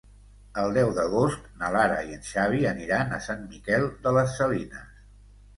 El deu d'agost na Lara i en Xavi aniran a Sant Miquel de les Salines.